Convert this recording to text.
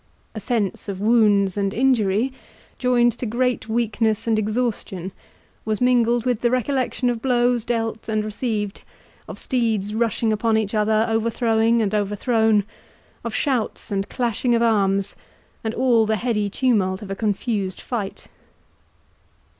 A sense of wounds and injury, joined to great weakness and exhaustion, was mingled with the recollection of blows dealt and received, of steeds rushing upon each other, overthrowing and overthrown—of shouts and clashing of arms, and all the heady tumult of a confused fight.